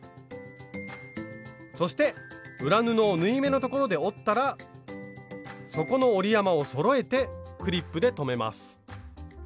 そして裏布を縫い目のところで折ったら底の折り山をそろえてクリップで留めます。